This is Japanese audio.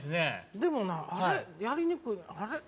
でもなあれやりにくいあれ？